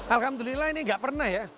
alhamdulillah ini gak pernah ya